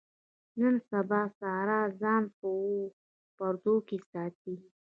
نن سبا ساره ځان په اوو پردو کې ساتي.